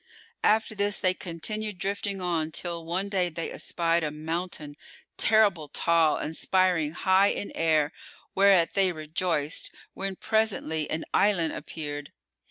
After this they continued drifting on till one day they espied a mountain terrible tall and spiring high in air, whereat they rejoiced, when presently an island appeared.